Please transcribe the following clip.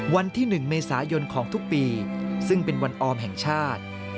วันที่๑เมษายนของทุกปีซึ่งเป็นวันออมแห่งชาติ